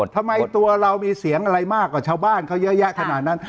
ทำไมตัวเรามีเสียงอะไรมากกว่าชาวบ้านเขาเยอะแยะขนาดนั้น